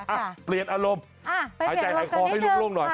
อ่ะเปลี่ยนอารมณ์หายใจหายคอให้โล่งหน่อย